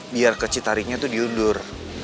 biar kecitarinya tuh diundur